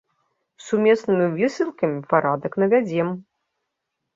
Сумеснымі высілкамі парадак навядзем.